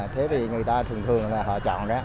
thế thì người ta thường thường họ chọn ra